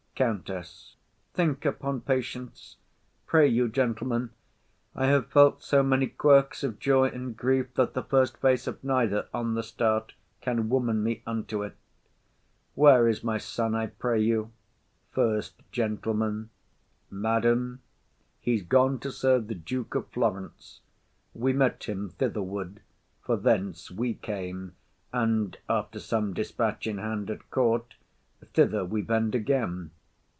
COUNTESS. Think upon patience. Pray you, gentlemen,— I have felt so many quirks of joy and grief That the first face of neither on the start Can woman me unto 't. Where is my son, I pray you? SECOND GENTLEMAN. Madam, he's gone to serve the Duke of Florence; We met him thitherward, for thence we came, And, after some despatch in hand at court, Thither we bend again.